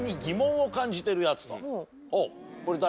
これ誰？